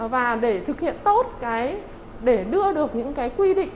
và để thực hiện tốt để đưa được những quy định